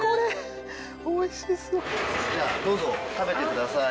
じゃあどうぞ食べてください。